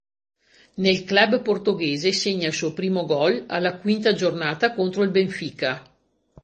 Nel club portoghese segna il suo primo gol alla quinta giornata contro il Benfica.